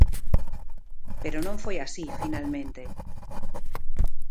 Pero non foi así, finalmente.